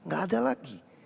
gak ada lagi